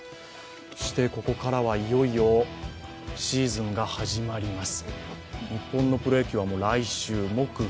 そしてここからはいよいよ、シーズンが始まります。